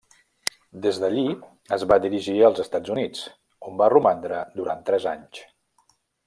Des d'allí es va dirigir als Estats Units, on va romandre durant tres anys.